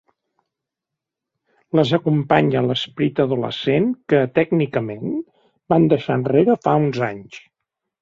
Les acompanya l'esperit adolescent que, tècnicament, van deixar enrere fa uns anys.